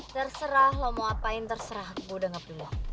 terserah lo mau ngapain terserah gue udah gak peduli